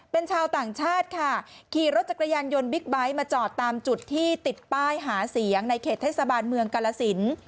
เป็นชาวต่างชาติค่ะขี่รถจักรยานยนต์บิ๊กไบท์มาจอดตามจุดที่ติดป้ายหาเสียงในเขตเทศบาลเมืองกาลสิน